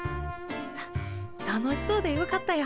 たたのしそうでよかったよ